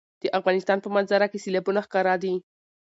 د افغانستان په منظره کې سیلابونه ښکاره دي.